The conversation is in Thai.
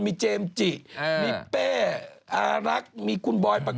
มีเจมส์จิมีเปเป้อะรักมีคุณบอย